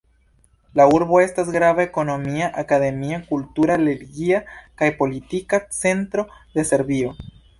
La urbo estas grava ekonomia, akademia, kultura, religia kaj politika centro de Serbio.